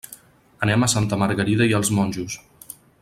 Anem a Santa Margarida i els Monjos.